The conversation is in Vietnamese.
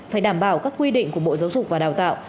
phải đảm bảo các quy định của bộ giáo dục và đào tạo